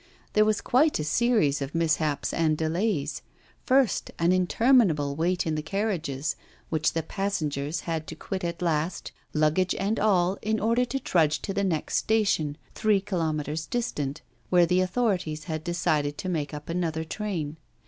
There was quite a series of mishaps and delays. First an interminable wait in the carriages, which the passengers had to quit at last, luggage and all, in order to trudge to the next station, three kilometres distant, where the authorities had decided to make up another train.